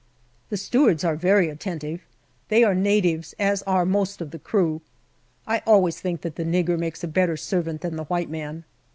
The stewards are very attentive ; they are natives, as are also most of the crew. I always think that the nigger makes a better servant than the white man.